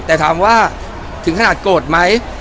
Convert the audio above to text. แต่ถามว่าถึงขนาดโกรธไหม